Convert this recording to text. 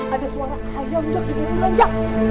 ada suara ayam jak